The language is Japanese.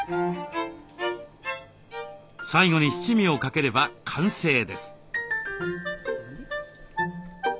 最後に七味をかければ完成です。